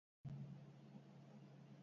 Erregearen epaiketan parte hartu zuen.